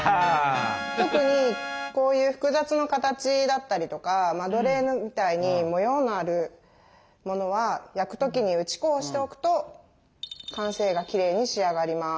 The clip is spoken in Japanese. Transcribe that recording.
特にこういう複雑な形だったりとかマドレーヌみたいに模様のあるものは焼く時に打ち粉をしておくと完成がきれいに仕上がります。